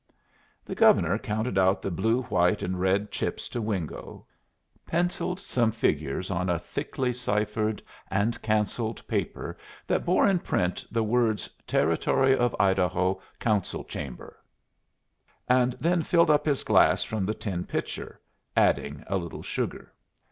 The Governor counted out the blue, white, and red chips to Wingo, pencilled some figures on a thickly ciphered and cancelled paper that bore in print the words "Territory of Idaho, Council Chamber," and then filled up his glass from the tin pitcher, adding a little sugar.